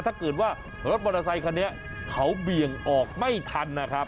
ถ้าเกิดว่ารถมอเตอร์ไซคันนี้เขาเบี่ยงออกไม่ทันนะครับ